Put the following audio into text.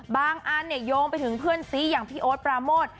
อันเนี่ยโยงไปถึงเพื่อนซีอย่างพี่โอ๊ตปราโมท